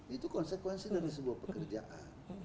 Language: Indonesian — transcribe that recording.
itu konsekuensi dari sebuah pekerjaan